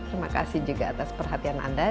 terima kasih juga atas perhatian anda